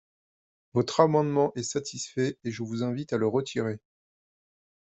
Votre amendement est satisfait et je vous invite à le retirer.